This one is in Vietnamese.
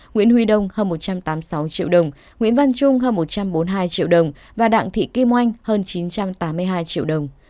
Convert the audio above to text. nguyễn huy đông hơn một trăm tám mươi sáu triệu đồng nguyễn văn trung hơn một trăm bốn mươi hai triệu đồng và đặng thị kim oanh hơn chín trăm tám mươi hai triệu đồng